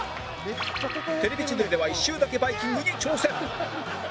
『テレビ千鳥』では一周だけバイキングに挑戦